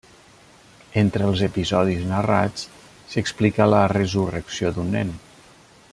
Entre els episodis narrats, s'explica la resurrecció d'un nen.